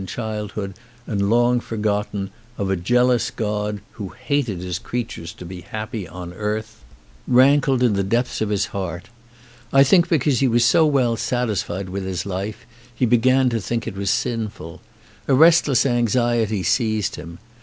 in childhood and long forgotten, of a jealous God who hated his creatures to be happy on earthy 53 ON A CHINESE SCEEEN rankled in the depths of his heart ; I think because he was so well satisfied with his life he began to think it was sinful. A restless anxiety seized him.